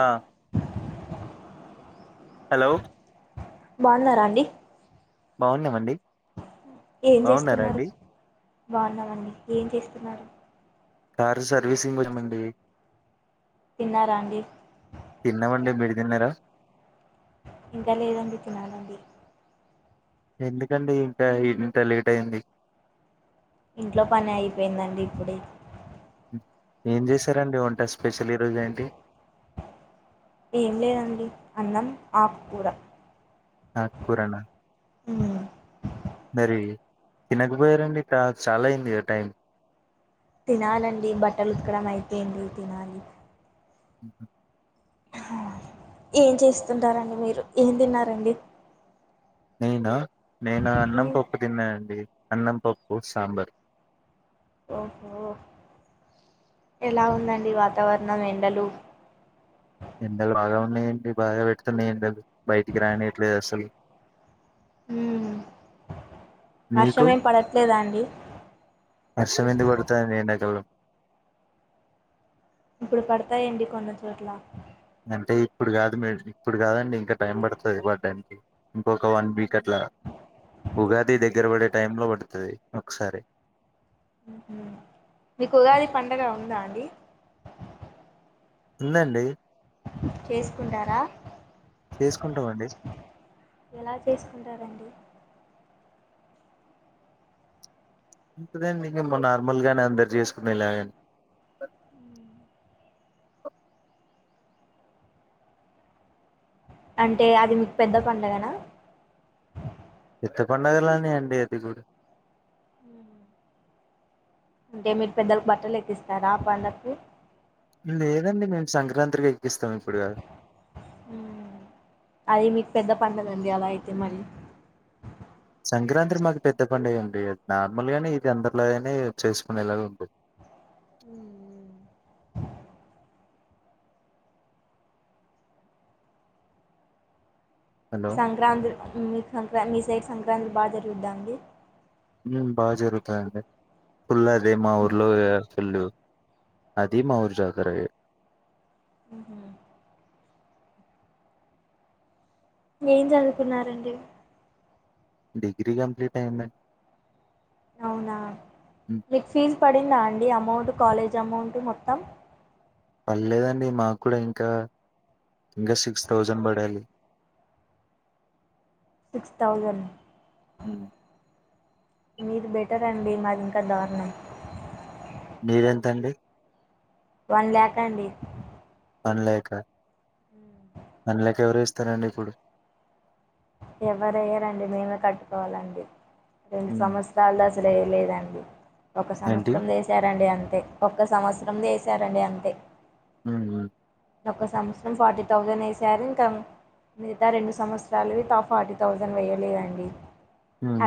ఆ హలో బావున్నారా అండి బావున్నాం అండి ఏం చేస్తున్నారు బావున్నామండి ఏం చేస్తున్నారు కారు సర్వీసింగ్ [inaudible] అండి తిన్నారా అండి డిన్నరా ఇంకా లేదండి తినాలండి ఎందుకండి ఇంకా ఇంత లేట్ అయ్యింది ఇంట్లో పని అయిపోయ్యిందండి ఇప్పుడే ఏం చేశారండి వంట స్పెషల్ ఈరోజు ఏంటి ఏం లేదండి అన్నం ఆక్కూర ఆక్కూర నా మరి తినకపోయారండి కా చాలా అయ్యింది గా టైం తినాలండి బట్టలు ఉతకడం అయిపోయింది తినాలి ఊహూ ఏం చేస్తుంటారండి మీరు ఏం తిన్నారండి నేనా నేనా అన్నం మ్మ్ పప్పు తిన్నాయండి అన్నం పప్పు సాంబర్ ఓహో ఎలా ఉందండి వాతావరణం ఎండలు ఎండలు బాగా ఉన్నాయండి బాగా పెడుతున్నాయి ఎండలు బయటికి రానియ్యట్లేదు అసలు ఊ మీకు వర్షం ఏం పడట్లేదా అండి వర్షం ఎందుకు పడుతాదండి ఎండాకాలం ఇప్పుడు పడతాయండి కొన్ని చోట్ల అంటే ఇప్పుడు కాదు మే ఇప్పుడు కాదండి ఇంకా టైం పడుతది పడ్డానికి ఇంకొక వన్ వీక్ అ ట్లా ఉగాది దగ్గర పడే టైం లో పడుతాది ఒకసారి ఊహూ మీకు ఉగాది పండగ ఉందా అండి ఉందండి చేసుకుంటారా చేసుకుంటామండి ఎలా చేసుకుంటారండి అదేఅండి మేము నార్మల్గా నే అందరు చేసుకునేలాగానె అ అంటే అది మీకు పెద్ద పండగనా పెద్ద పండుగలానే అండి అది కూడా అంటే మీరు పెద్దలకు బట్టలు ఎక్కిస్తారా ఆ పండక్కి లేదండి మేము సంక్రాంత్రికి ఎక్కిస్తాం ఇప్పుడు కాదు మ్ అది మీకు పెద్ద పండగండి అలా అయితే మళ్ళీ సంక్రాంత్రి మాకు పెద్ద పండుగ ఏంటి నార్మల్ గానే ఇది అందరిలాగానే చేసుకునేలాగా ఉంటది మ్ ఉమ్... హలో సంక్రాంతి మీ సంక్రా మీ సైడ్ సంక్రాంతి బా జరిగిద్దాండి మ్ బా జరుగుతాదండి ఫుల్ అదే మా ఊర్లో ఫుల్లు అదీ. మా ఊరి జాతరే మ్ హూమ్ ఏం చదువుకున్నారండి డిగ్రీ కంప్లీట్ అయిందం అవునా మీకు ఫీజ్ పడిందా అండి అమౌంట్ కాలేజ్ అమౌంట్ మొత్తం పర్లేదండి మాకు కూడా ఇంకా ఇంకా సిక్స్ థౌజండ్ పడాలి సిక్స్ థౌజండ్ మ్ మీది బెటర్ అండి మాదింకా దారుణం ఎంతండి వన్ ల్యాక్ అండి అనలేఖ అనలేక ఎవర ఇస్తారండి ఇప్పుడు ఎవరయ్యరండి మేమే కట్టుకోవాలండి రెండు హ్మ్. సంవత్సరాల్లో అసలే లేదండి ఒక ఏంటి? సంవత్సరం చేసారండి అంత ఒక్క సంవత్సరం చేసారండి అంతే హ ఒక సంవత్సరం ఫార్టీ థౌజండ్ వేసారు ఇంకా మిగతా రెండు సంవత్సరాలువి త ఫార్టీ థౌజండ్ వేయ్యలేదండి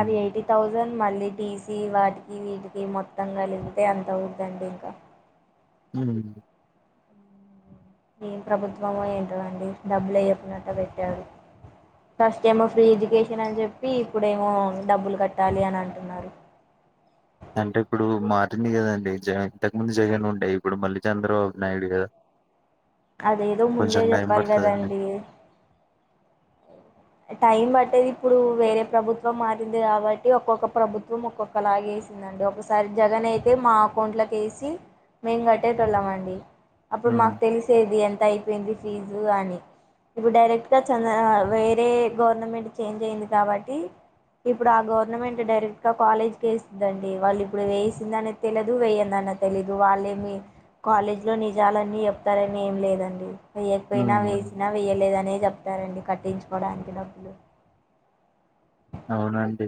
అవి ఎయిటీ థౌసండ్ మళ్ళీ టీసి వాటికి వీటికి మొత్తం కలిగపితే ఎంత అవ్వుద్దండి ఇంకా మ్ ఏం ప్రభుత్వమో ఏంటో అండి డబ్బులు అయ్యకునట్టా పెట్టాడు ఫస్ట్ ఏమ ఫ్రీ ఎడ్యుకేషన్ అని చెప్పి ఇప్పుడేమో డబ్బులు కట్టాలి అని అంటున్నారు అంటే ఇప్పుడు మారింది కదండి జ ఇంతకు మంది జగన్ ఉంటాయి ఇప్పుడు మళ్ళీ చంద్రబాబు నాయుడు కదా అదేదో ముందే కొంచెం టైం చెప్పాలి పడతదండి. కదండి టైం బట్టేది ఇప్పుడు వేరే ప్రభుత్వం మారింది కాబట్టి ఒక్కొక్క ప్రభుత్వం ఒక్కొక్కలాగే దండి ఒకసారి జగన్ అయితే మా అకౌంట్ లోకి వేసి మేము కట్టే టోళ్ళమండి అప్పుడు హ్మ్. మాకు తెలిసేది ఎంత అయి ఇది ఫీజు అని ఇప్పుడు డైరెక్ట్ గా [inaudible] అదే గవర్నమెంట్ చేంజ్ అయింది కాబట్టి ఇప్పుడు ఆ గవర్నమెంట్ డైరెక్ట్ గా కాలేజ్ కి వేసిదండి వాళ్ళు ఇప్పుడు వేసింద అనేది తెలిదు వేయందని తెలీదు వాళ్ళేమి కాలేజ్ లో నిజాలన్నీ చెప్తారని ఏం లేదండి వేయకపోయినా హ్మ్. వేసినా వేయలేదనే చెప్తారండి కట్టించుకోవడానికి డబ్బులు అవునండి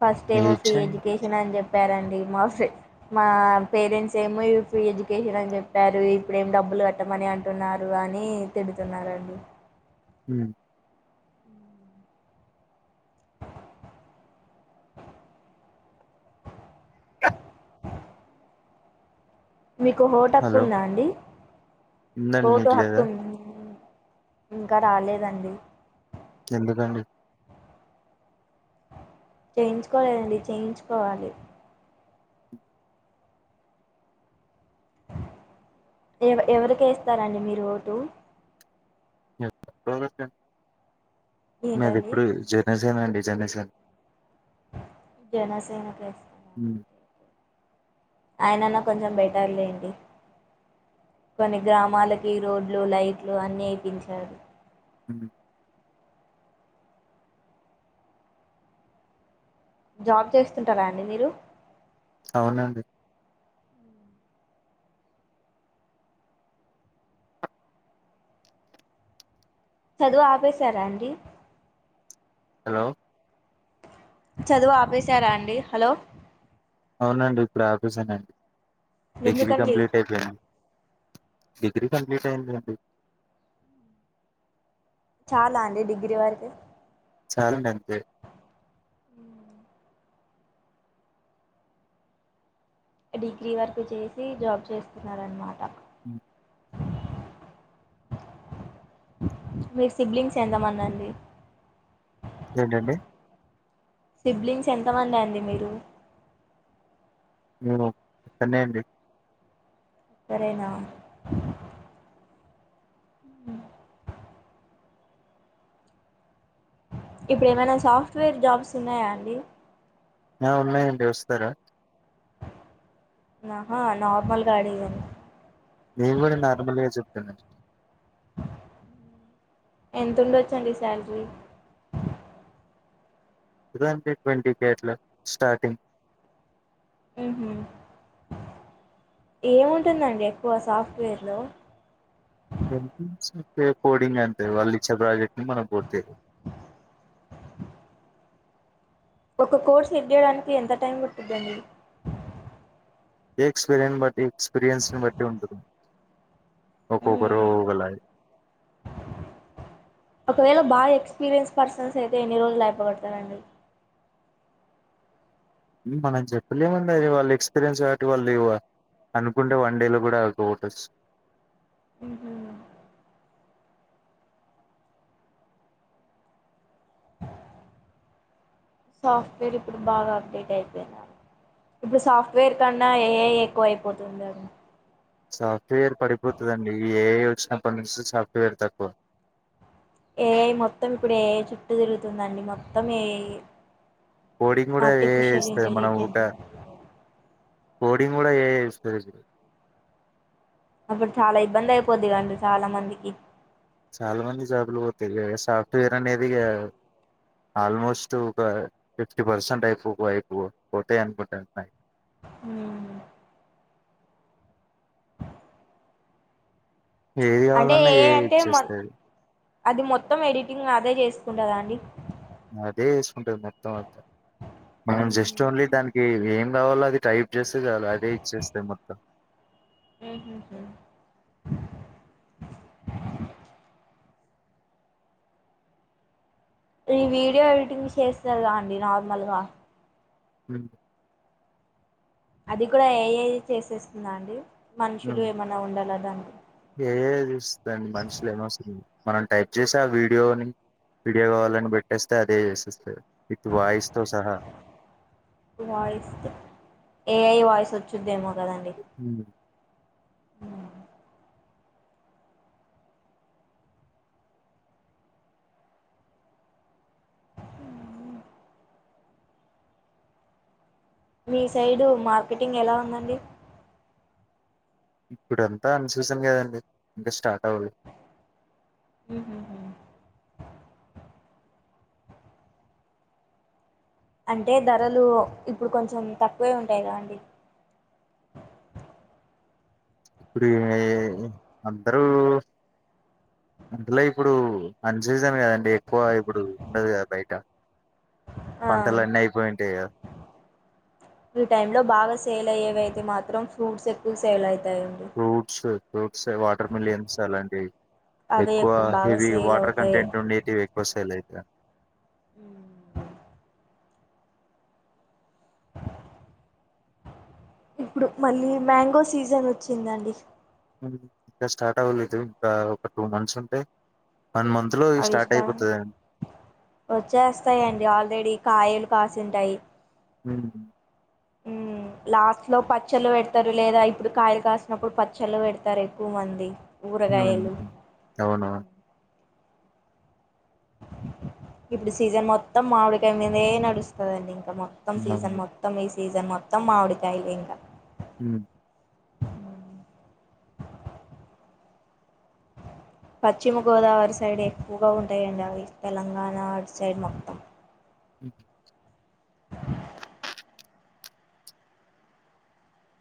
ఫస్ట్ ఏమ్ ఫ్రీ మీరిచ్చేయండి. ఎడ్యుకేషన్ అని చెప్పి చెప్పారండి మా మా పేరెంట్స్ ఏమో ఫ్రీ ఎడ్యుకేషన్ అని చెప్పారు ఇప్పుడు ఏం డబ్బు డబ్బులు కట్టమని అంటున్నారు అని తిడుతున్నడి హ మీకు హఓట హక్కు హలో! ఉందా అండి ఉందండి ఓటో మీకు హక్కు లేదా? ఉంద ఇంకా రాలేదండి ఎందుకండి చేయించుకోలేదండి చేయించుకోవాలి ఎవ ఎవరికేస్తారండి మీరు ఒకటు మీది ఏంటండి ఎప్పుడు జనేసేన అండి జనసా జనసేన కేస్త హ్మ్. ఆయనన్నా కొంచెం బెటర్ లేండి కొన్ని గ్రామాలకి రోడ్లు లైట్లు అన్నీ ఇపించారు అమ్ జాబ్ చేస్తుంటారా అండి మీరు అవునండి చదువు ఆపేశారా అండి హలో చదువు ఆపేశారా అండి హలో అవునండి ఇప్పుడు ఆఫెస్నండి డిగ్రీ ఎందుకండి కంప్లీట్ అయిపోయింది డిగ్రీ కంప్లీట్ అయియందిండి చాలా అండి డిగ్రీ వరకి చాలనంతే ఉమ్ డిగ్రీ వర్క్ చేసి జాబ్ చేస్తున్నార అన్నమాట అమ్ మీరు సిబ్లింగ్స్ ఎంతమన్నా అండి ఏంటండి సిబ్లింగ్స్ ఎంతమంది అండి మీరు ఉ చెన్నడి సరేనా ఇప్పుడు ఏమైనా సాఫ్ట్వేర్ జాబ్స్ ఉన్నాయా అండి ఆ ఉన్నాయండి వస్తారా నాహా నార్మల్ గా అడిగాను నీవుడు నార్మల్ గా చెబుతున్నా ఎంత ఉండొచ్చండి శాలరీ ట్వంటి ట్వంటీ కే అట్ల స్టార్టింగ్ అహమ్ ఏముంటుందండి ఎక్కువ సాఫ్ట్వేర్లో కోడింగ్ అంతే వాళ్ళు ఇచ్చే ప్రాజెక్ట్ ని మనం పోతాది ఒక కోర్సు ఎద్దేయడానికి ఎంత టైం పట్టిందండి ఎ ఎక్స్పీరి బట్టి ఎక్స్పీరియన్స్ ని బట్టి ఉంటదు ఒకక్కక్కరు మ్మ్. గల ఒకవేళ బాగా ఎక్స్పీరియన్స్ పర్సన్స్ అయితే ఎన్ని రోజులు అయిపోగడతారండి మనం చెప్పలేమంది అది వాళ్ళు ఎక్స్పీరియన్స్ కాబట్టి వాళ్ళు ఇవ్వ అనుకుంటే వన్ డేలో కూడాటస్ ఉహుమ్ సాఫ్ట్వేర్ ఇప్పుడు బాగా అప్డేట్ అయిపోనా ఇప్పుడు సాఫ్ట్వేర్ కన్నా ఏ ఎక్కువ అయిపోతుండ సాఫ్ట్వేర్ పడిపోతుందండి ఇప్పుడు ఏఐ ఏ వచ్చినప్పటి నుంచి సాఫ్ట్వేర్ తక్కువ ఏఐ మొత్తం ఇప్పుడు ఏఐ చుట్టూ తిరుగుతుందండి మొత్తం ఏ పోడింగ్ కూడా ఏస్తుంది మనం ఒక కోడింగ్ కూడా ఏఐ విస్తరించింది అప్పుడు చాలా ఇబ్బంది అయిపోద్ది కదండి చాలా మందికి చాలా మంది జాబ్ లు పోతాయి సాఫ్ట్వేర్ అనేది ఇగ ఆల్మోస్ట్ ఒక ఫిఫ్టీ పర్సెంట్ అయిపో అయిపో పోతాయి అనుకుంటాన్నాయి ఉమ్ ఏది అంటే కావాలన్నా ఏఐ అంటే ఇచ్చేస్తది అది మొత్తం ఎడిటింగ్ అదే చేసుకుంటదా అండి అదే చేసుకుంటది మొత్తం అంతా ఉమ్. ఏది కావాల్ల అది టైప్ చేస్తే చాలు అదే ఇచ్చేస్తే మొత్తం హ్మ్ హు ఈ వీడియో ఎడిటింగ్ చేస్తారుగా అండి నార్మల్గా హ్మ్ అది కూడా ఏఐ చేసేస్తుందా అండి మనుషులు ఏమైన ఉండాల దానికి ఏఐ చేస్తుంది మనుషులు ఏం అవసరం లేదు మనం టైప్ చేసి ఆ వీడియోని వీడియో కావాలని పెట్టేస్తే అదే చేసేస్తుంది విత్ వాయిస్ తో సహా వాయిస్ ఏఐ వాయిస్ వచ్చుద్దేమో కదండి ఉమ్. మీ సైడు మార్కెటింగ్ ఎలా ఉందండి ఇప్పుడంతా అన్ సీజన్ కదండి ఇంకా స్టార్ట్ అవ్వాలి హ్మ్ హు అంటే ధరలు ఇప్పుడు కొంచెం తక్కువే ఉంటాయి గా అండి ఇప్పుడు ఏం అందరూ అందులో ఇప్పుడు అన్ సీజన్ కదండి ఎక్కువ ఇప్పుడు ఉండదు కదా బయట పంటలు ఆ అన్నీ అయిపోయింటాయి ఈ టైమ్ లో బాగా సేల్ అయ్యేవి అయితే మాత్రం ఫ్రూట్స్ ఎక్కువ సేల్ అయి ఫ్రూట్స్ ఫ్రూట్స్ వాటర్ మిలియన్స్ అలాంటివి అవే ఎక్కువ బాగా హెవీ సేల్ వాటర్ అవుతాయి కంటెంట్ ఉండేవి ఎక్కువ సేల్ అయితాయి ఉమ్ ఇప్పుడు మళ్ళీ మ్యాంగో సీజన్ వచ్చిందండి ఇంకా స్టార్ట్ అవ్వలేదు ఇంకా ఒక టూ మంత్స్ ఉంటే వన్ మంత్ లో అవి స్టార్ట్ ఇష్టం అయిపోతదండి వచ్చేస్తాయండి ఆల్రెడీ కాయలు కాసింటాయి ఉమ్ ఉమ్ లాస్ట్ లో పచ్చళ్ళ పెడతారు లేదా ఇప్పుడు కాయలు కాసినప్పుడు పచ్చళ్ళు పెడతారు ఎక్కువ మంది ఊరగాయలు ఉమ్ అవునా ఇప్పుడు సీజన్ మొత్తం మామిడికాయ మీదే నడుస్తుదండి ఇం మొత్తం సీజన్ అవును మొత్తం ఈ సీజన్ మొత్తం మామిడికాయలే ఇంకా ఉమ్ పశ్చిమ గోదావరి సైడ్ ఎక్కువగా ఉంటాయండి అవి తెలంగాణ అట్ సైడ్ మొత్తం హ్